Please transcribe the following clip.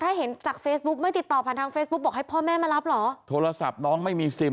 ถ้าเห็นจากเฟซบุ๊กไม่ติดต่อผ่านทางเฟซบุ๊คบอกให้พ่อแม่มารับเหรอโทรศัพท์น้องไม่มีซิม